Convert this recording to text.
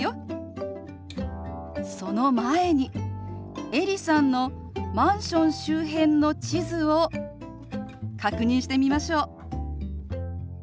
その前にエリさんのマンション周辺の地図を確認してみましょう。